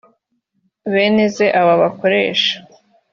baneze aba bakoresha